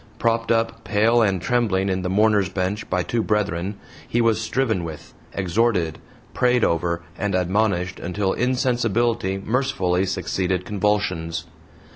Propped up pale and trembling in the "Mourners' Bench" by two brethren, he was "striven with," exhorted, prayed over, and admonished, until insensibility mercifully succeeded convulsions.